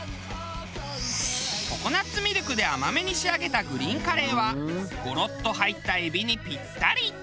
ココナツミルクで甘めに仕上げたグリーンカレーはゴロッと入ったエビにぴったり。